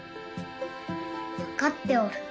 わかっておる。